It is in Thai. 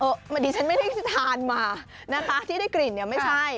บางทีฉันไม่ได้ทานมานะคะที่ได้กลิ่นเนี่ยไม่ใช่